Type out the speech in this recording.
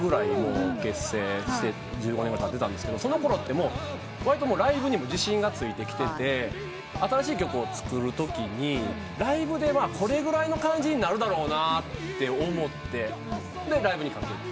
結成して１５年ぐらいたってたんですけどそのころってわりとライブにも自信がついてきてて新しい曲を作るときにライブでこれぐらいの感じになるだろうなって思ってでライブにかけて。